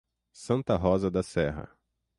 Santa Rosa da Serra